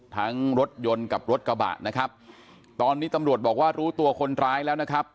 รถยนต์กับรถกระบะนะครับตอนนี้ตำรวจบอกว่ารู้ตัวคนร้ายแล้วนะครับ